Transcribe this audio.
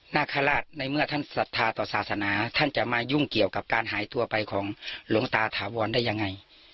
นาคาราชในเมื่อท่านศรัทธาต่อศาสนาท่านจะมายุ่งเกี่ยวกับการหายตัวไปของหลวงตาถาวรได้ยังไง